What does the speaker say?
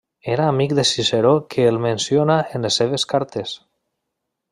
Era amic de Ciceró que el menciona en les seves cartes.